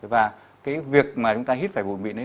và cái việc mà chúng ta hít phải bụi mịn đấy